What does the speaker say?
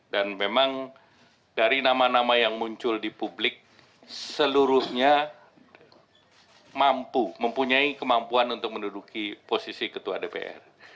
dan memang dari nama nama yang muncul di publik seluruhnya mampu mempunyai kemampuan untuk menduduki posisi ketua dpr